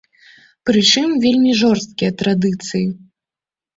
Прычым вельмі жорсткія традыцыі.